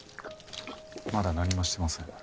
まだ何もしてません。